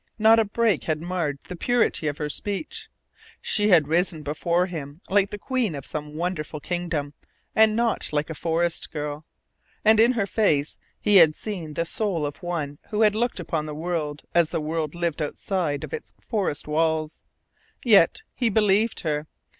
Not a break had marred the purity of her speech. She had risen before him like the queen of some wonderful kingdom, and not like a forest girl. And in her face he had seen the soul of one who had looked upon the world as the world lived outside of its forest walls. Yet he believed her.